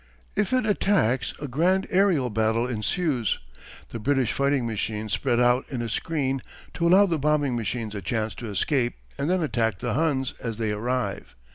If it attacks a grand aërial battle ensues. The British fighting machines spread out in a screen to allow the bombing machines a chance of escape and then attack the Huns as they arrive.